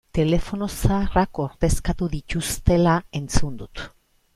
Telefono zaharrak ordezkatu dituztela entzun dut.